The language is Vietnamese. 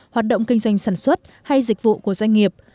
hoạt động kinh doanh sản xuất hay dịch vụ của doanh nghiệp